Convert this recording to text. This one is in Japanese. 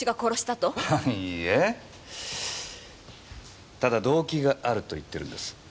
ただ動機があると言ってるんです。